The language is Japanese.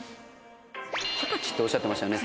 二十歳っておっしゃってましたよね？